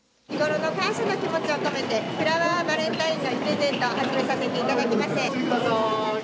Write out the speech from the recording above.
日頃の感謝の気持ちを込めてフラワーバレンタインのプレゼント始めさせていただきます。